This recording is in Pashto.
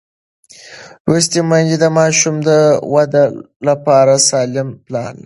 لوستې میندې د ماشوم د وده لپاره سالم پلان لري.